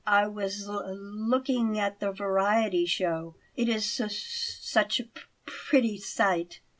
I was l looking at the variety show; it is s such a p pretty sight."